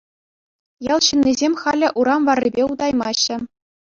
Ял ҫыннисем халӗ урам варрипе утаймаҫҫӗ.